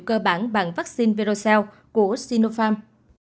cơ bản bằng vaccine virocell của sinopharm